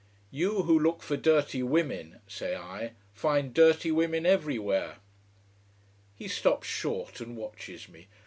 "You who look for dirty women," say I, "find dirty women everywhere." He stops short and watches me.